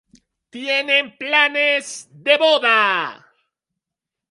Tienen planes de boda.